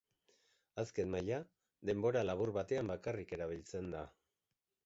Azken maila, denbora labur batean bakarrik erabiltzen da.